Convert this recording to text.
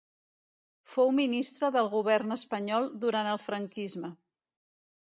Fou ministre del govern espanyol durant el franquisme.